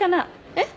えっ？